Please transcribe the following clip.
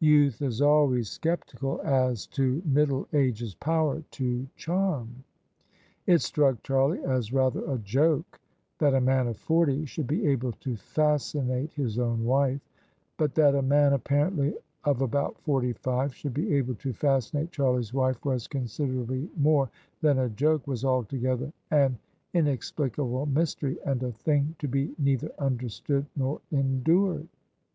Youth is always sceptical as to middle age's power to charm. It struck Charlie as rather a joke that a man of forty should be able to fascinate his own wife : but that a man apparently of about forty five should be able to fascinate Charlie's wife was considerably more than a joke — ^was altogether an inex plicable mystery, and a thing to be neither understood nor endured.